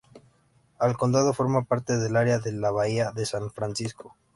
El condado forma parte del Área de la Bahía de San Francisco.